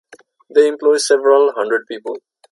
They employ several hundred people.